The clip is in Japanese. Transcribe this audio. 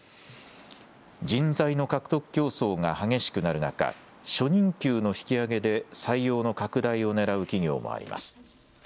人材の獲得競争が激しくなる中、初任給の引き上げで採用の拡大をねらう企業もあります。